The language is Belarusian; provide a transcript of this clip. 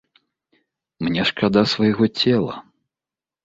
Мне шкада свайго цела.